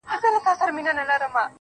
راز تړون